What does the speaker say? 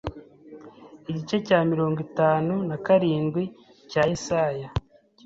igice cya mirongo itanu na karindwi cya Yesaya.